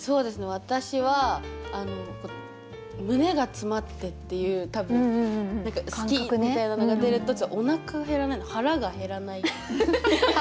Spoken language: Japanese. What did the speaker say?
私は胸が詰まってっていう多分好き！みたいなのが出るとちょっとおなか減らないので「腹が減らない」。